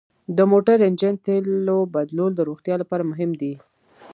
د موټر انجن تیلو بدلول د روغتیا لپاره مهم دي.